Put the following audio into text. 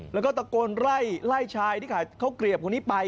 แล้วก็ตะโกนไล่ชายที่ขายข้าวเกลียบคนนี้ไป